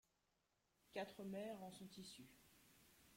Quatre maires en sont issus.